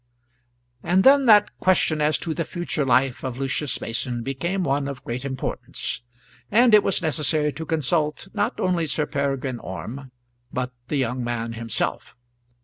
And then that question as to the future life of Lucius Mason became one of great importance, and it was necessary to consult, not only Sir Peregrine Orme, but the young man himself.